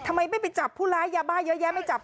ทำไมไม่ไปจับผู้ร้ายยาบ้าเยอะแยะไม่จับ